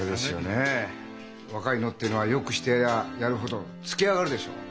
若いのってのはよくしてやりゃやるほどつけあがるでしょう？